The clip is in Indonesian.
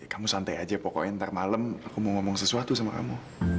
kamu santai aja pokoknya ntar malam aku mau ngomong sesuatu sama kamu